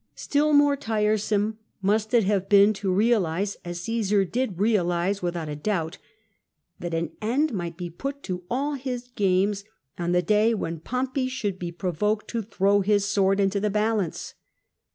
Still more tiresome must it have been to realise, as Oassar did realise without a doubt, that an end might be put to all his games on the day when Pompoy should be provoked to throw his sword into the balance.